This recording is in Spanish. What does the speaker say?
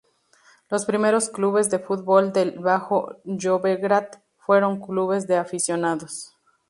Los primeros clubes de fútbol del Bajo Llobregat fueron clubes de aficionados.